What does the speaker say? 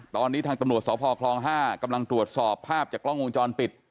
ตอนนี้ทางตำรวจสพคลอง๕กำลังตรวจสอบภาพจากกล้องวงจรปิด